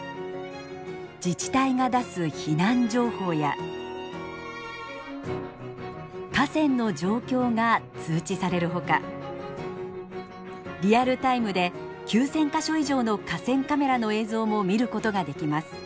自治体が出す避難情報や河川の状況が通知されるほかリアルタイムで９，０００か所以上の河川カメラの映像も見ることができます。